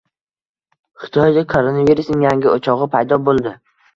Xitoyda koronavirusning yangi o‘chog‘i paydo bo‘lding